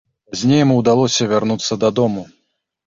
Пазней яму ўдалося вярнуцца дадому.